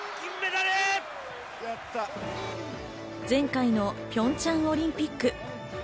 前回のピョンチャンオリンピック。